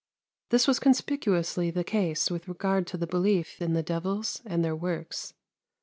This was conspicuously the case with regard to the belief in the devils and their works.